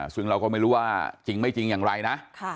ซึ่งเราก็ไม่รู้ว่าจริงไม่จริงอย่างไรนะ